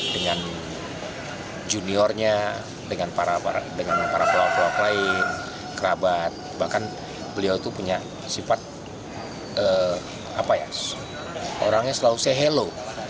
dengan juniornya dengan para pelawak pelok lain kerabat bahkan beliau itu punya sifat orangnya selalu sehelo